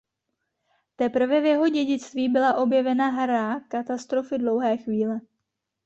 Teprve v jeho dědictví byla objevena hra "Katastrofy dlouhé chvíle".